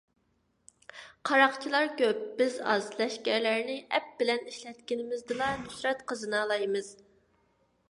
قاراقچىلار كۆپ، بىز ئاز؛ لەشكەرلەرنى ئەپ بىلەن ئىشلەتكىنىمىزدىلا نۇسرەت قازىنالايمىز.